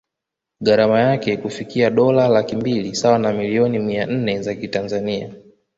Gharama yake hufikia dola laki mbili sawa na millioni mia nne za kitanzania